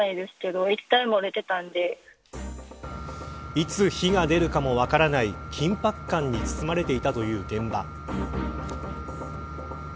いつ火が出るかも分からない緊迫感に包まれていたという現場。